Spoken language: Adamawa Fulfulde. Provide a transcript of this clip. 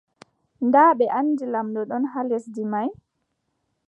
Naa ɓe anndi lamɗo ɗon haa lesdi may ?